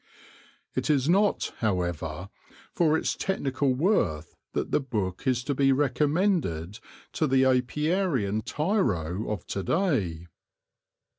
It is not, however, for its technical worth that the book is to be recommended to the apiarian tiro of to day.